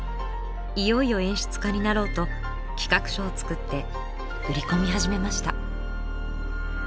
いよいよ演出家になろうと企画書を作って売り込み始めました。